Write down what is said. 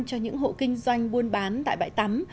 cho những hộ kinh doanh buôn bán tại bãi tắm